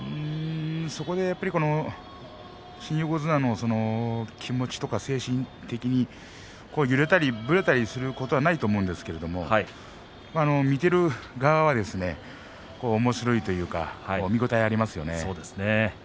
そこで、新横綱の気持ちとか精神的に揺れたりぶれたりすることはないと思うんですけど見ている側はおもしろいというか見応えありますよね。